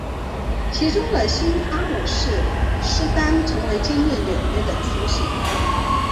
其中的新阿姆斯特丹成为今日纽约市的雏形。